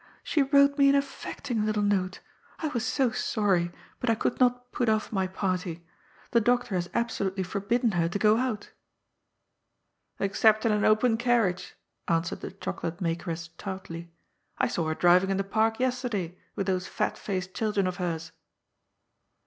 ''She wrote me an affecting little note. I was so sorry, but I could not put off my party. The doctor has absolutely forbidden her to go out" '' Except in an open carriage," answered the chocolate makeress tartly. ^ I saw her driving in the park yesterday with those fat faced children of hers."